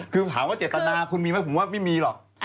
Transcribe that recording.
คือถามว่าเจตนาคุณมีไหมผมว่าไม่มีหรอก